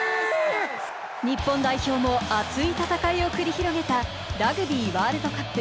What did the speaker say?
日本代表も熱い戦いを繰り広げたラグビーワールドカップ。